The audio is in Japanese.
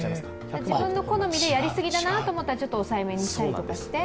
自分の好みでやりすぎだなと思ったらちょっと抑え目とかにして。